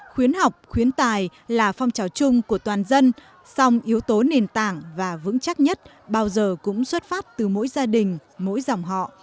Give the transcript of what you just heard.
khuyến học khuyến tài là phong trào chung của toàn dân song yếu tố nền tảng và vững chắc nhất bao giờ cũng xuất phát từ mỗi gia đình mỗi dòng họ